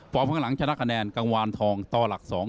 ข้างหลังชนะคะแนนกังวานทองต่อหลัก๒